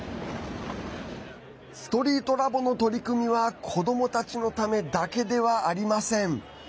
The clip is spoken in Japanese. ＳｔｒｅｅｔＬａｂの取り組みは子どもたちのためだけではありません。